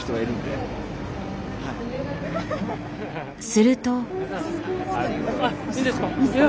すると。